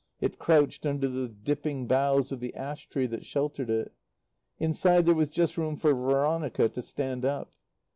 It crouched under the dipping boughs of the ash tree that sheltered it. Inside there was just room for Veronica to stand up.